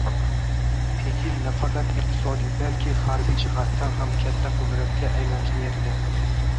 Pekin nafaqat iqtisodiy, balki harbiy jihatdan ham katta qudratga aylanish niyatida.